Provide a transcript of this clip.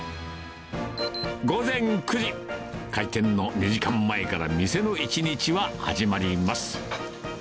午前９時、開店の２時間前から店の一日は始まります。